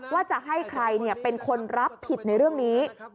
ว่าจะให้ใครเป็นคนรับผิดในเรื่องนี้